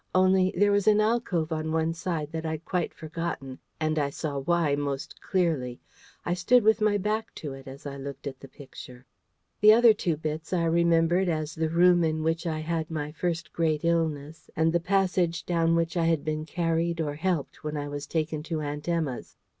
Only, there was an alcove on one side that I'd quite forgotten, and I saw why most clearly. I stood with my back to it as I looked at the Picture. The other two bits I remembered as the room in which I had had my first great illness, and the passage down which I had been carried or helped when I was taken to Aunt Emma's.